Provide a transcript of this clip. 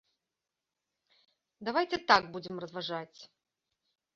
Давайце так будзем разважаць.